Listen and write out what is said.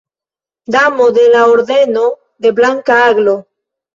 Damo de la Ordeno de Blanka Aglo.